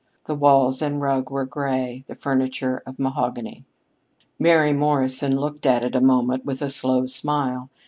The walls and rug were gray, the furniture of mahogany. Mary Morrison looked at it a moment with a slow smile.